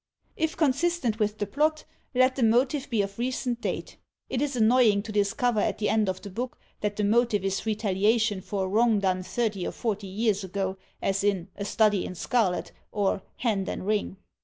If consistent with the plot, let the motive be of recent date. It is annoying to discover at the end of the book that the motive is retaliation for a wrong done thirty or forty years ago, as in " A Study in Scarlet " or " Hand and Ring."